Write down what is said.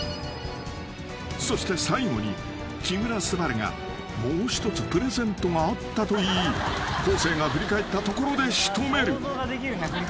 ［そして最後に木村昴がもう一つプレゼントがあったと言い昴生が振り返ったところで仕留める］